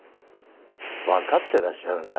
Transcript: わかってらっしゃるなら。